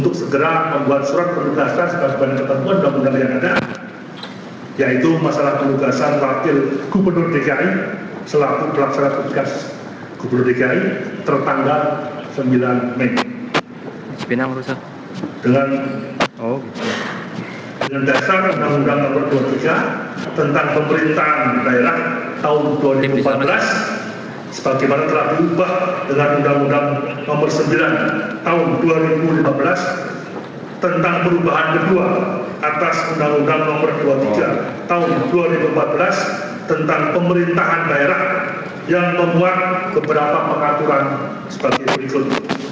tentang perubahan kedua atas undang undang nomor dua puluh tiga tahun dua ribu empat belas tentang pemerintahan daerah yang membuat beberapa pengaturan sebagai berikut